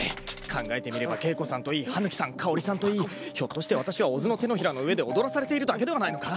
考えてみれば景子さんといい羽貫さん香織さんといいひょっとしてわたしは小津の手のひらの上で踊らされているだけではないのか！？］